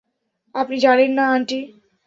আপনি জানেন না, আন্টি?